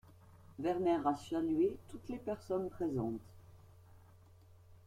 Werner a salué toutes les personnes présentes.